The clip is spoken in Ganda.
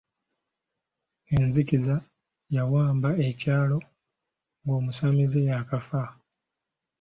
Enzikiza yawamba ekyalo ng’omusamize y’akafa.